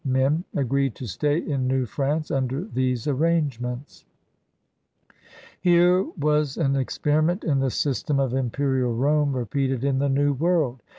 SEIGNEURS OF OLD CANADA 14ff agreed to stay in New France under these ar rangements. Here was an experiment in the system of im perial Rome repeated in the New World.